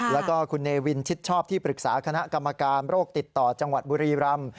แล้วก็คุณเนวินชิดชอบที่ปรึกษาคณะกรรมการโรคติดต่อจังหวัดบุรีรำ